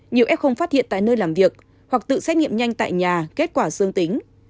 nhiều f phát hiện tại nơi làm việc hoặc tự xét nghiệm nhanh tại nhà kết quả dương tính